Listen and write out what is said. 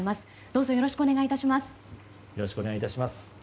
どうぞよろしくお願い致します。